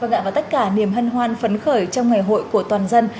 và ngạc vào tất cả niềm hân hoan phấn khởi trong ngày hội của toàn dân